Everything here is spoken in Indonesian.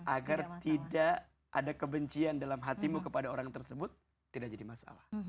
agar tidak ada kebencian dalam hatimu kepada orang tersebut tidak jadi masalah